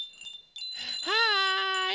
はい！